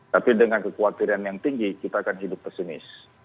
tapi dengan kekhawatiran yang tinggi kita akan hidup pesimis